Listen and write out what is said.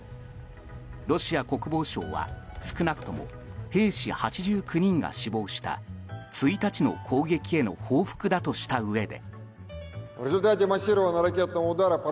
ロシア国防省は少なくとも兵士８９人が死亡した１日の攻撃への報復だとしたうえで。